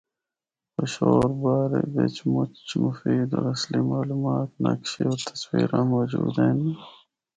پشور بارے بچ مچ مفید اور اصلی معلومات، نقشے ہور تصویراں موجود ہن۔